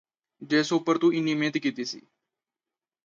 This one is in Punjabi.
ਜਿਸ ਉੱਪਰ ਤੂੰ ਏਨੀ ਮਿਹਨਤ ਕੀਤੀ ਸੀ